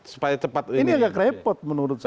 supaya cepat ini agak repot menurut saya